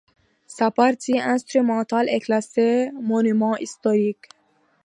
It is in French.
Sa partie instrumentale est classée Monument Historique.